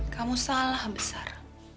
kamu salah besar